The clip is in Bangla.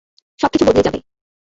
সবকিছু বদলে যাবে।